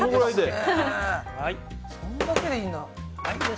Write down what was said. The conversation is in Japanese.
それだけでいいんだ。